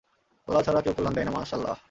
আল্লাহ ছাড়া কেউ কল্যাণ দেয় না—মাশাআল্লাহ।